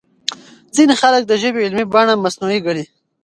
ځينې خلک د ژبې علمي بڼه مصنوعي ګڼي.